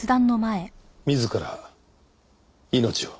自ら命を？